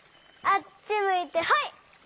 あっちむいてホイ！